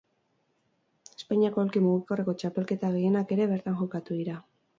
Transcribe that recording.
Espainiako aulki mugikorreko txapelketa gehienak ere bertan jokatu dira.